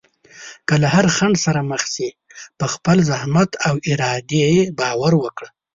که له هر خنډ سره مخ شې، په خپل زحمت او ارادې باور وکړه.